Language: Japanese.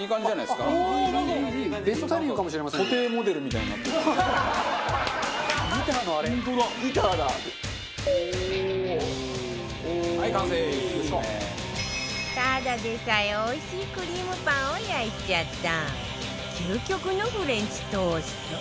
ただでさえおいしいクリームパンを焼いちゃった究極のフレンチトースト